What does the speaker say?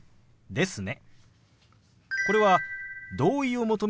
「ですね」。